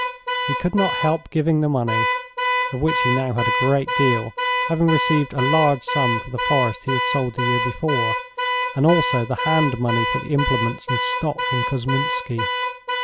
He could not help giving the money, of which he now had a great deal, having received a large sum for the forest he had sold the year before, and also the hand money for the implements and stock in Kousminski.